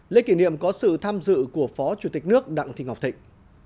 lễ kỷ niệm có sự tham dự của phó chủ tịch nước đặng thị ngọc thịnh